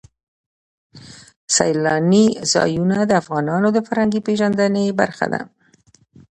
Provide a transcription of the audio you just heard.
سیلانی ځایونه د افغانانو د فرهنګي پیژندنې برخه ده.